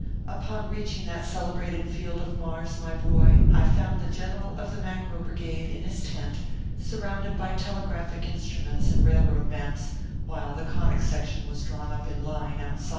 Upon reaching that celebrated field of Mars, my boy, I found the General of the Mackerel Brigade in his tent, surrounded by telegraphic instruments and railroad maps, while the Conic Section was drawn up in line outside.